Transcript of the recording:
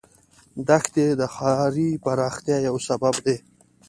دښتې د ښاري پراختیا یو سبب دی.